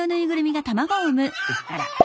あら。